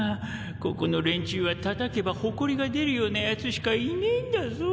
ここの連中はたたけば埃が出るような奴しかいねえんだぞ。